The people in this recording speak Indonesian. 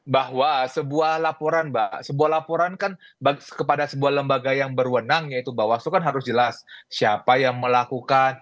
bahwa sebuah laporan mbak sebuah laporan kan kepada sebuah lembaga yang berwenang yaitu bawaslu kan harus jelas siapa yang melakukan